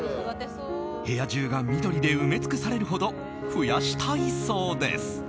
部屋中が緑で埋め尽くされるほど増やしたいそうです。